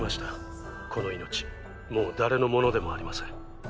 この命もう誰のものでもありません。